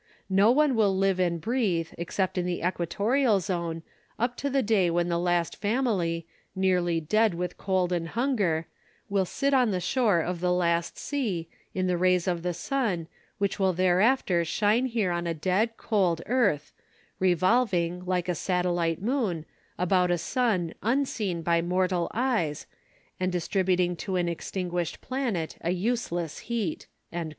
No one will live and breathe, except in the equatorial zone, up to the day when the last family, nearly dead with cold and hunger, will sit on the shore of the last sea, in the rays of the sun, which will thereafter shine here on a dead, cold earth, revolving, like a satellite moon, about a sun unseen by mortal eyes, and distributing to an extinguished planet a useless heat."